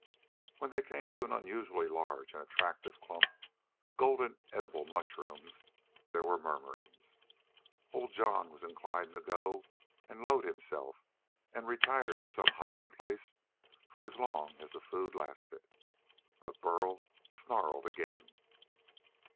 When they came to an unusually large and attractive clump of golden edible mushrooms, there were murmurings. Old Jon was inclined to go and load himself and retire to some hiding place for as long as the food lasted. But Burl snarled again.